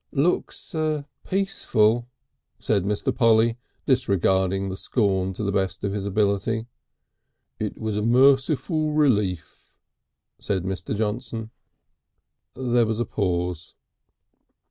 "Looks peaceful," said Mr. Polly, disregarding the scorn to the best of his ability. "It was a merciful relief," said Mr. Johnson. There was a pause.